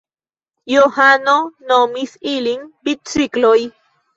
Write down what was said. Johano nomis ilin bicikloj.